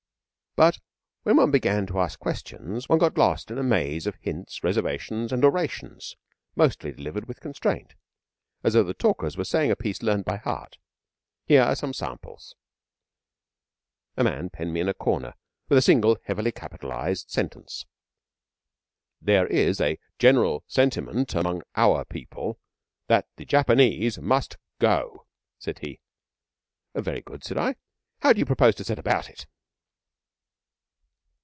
] But when one began to ask questions one got lost in a maze of hints, reservations, and orations, mostly delivered with constraint, as though the talkers were saying a piece learned by heart. Here are some samples: A man penned me in a corner with a single heavily capitalised sentence. 'There is a General Sentiment among Our People that the Japanese Must Go,' said he. 'Very good,' said I. 'How d'you propose to set about it?'